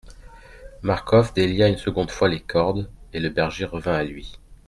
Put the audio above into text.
Marcof délia une seconde fois les cordes, et le berger revint à lui.